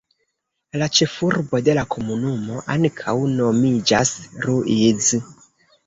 La ĉefurbo de la komunumo ankaŭ nomiĝas Ruiz.